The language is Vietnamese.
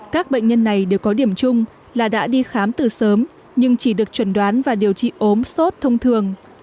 các bệnh nhân này đều có điểm chung là đã đi khám từ sớm nhưng chỉ được chuẩn đoán và điều trị ốm sốt thông thường